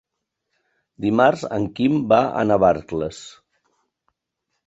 Dimarts en Quim va a Navarcles.